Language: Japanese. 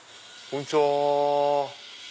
こんにちは。